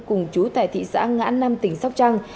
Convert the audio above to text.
cùng chú tại thị xã ngã năm tỉnh sóc trăng